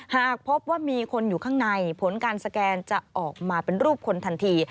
หากพบว่ามีคนอยู่ข้างในผลการสแกนจะออกมาเป็นรูปคนทันที